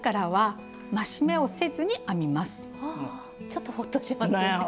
ちょっとホッとしますね。